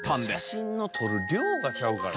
写真の撮る量がちゃうからな。